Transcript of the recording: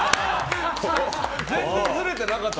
全然ずれてなかった。